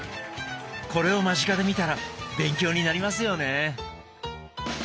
これを間近で見たら勉強になりますよね。